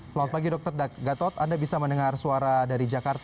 selamat pagi dr gatot anda bisa mendengar suara dari jakarta